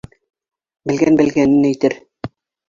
Белгән белгәнен әйтер.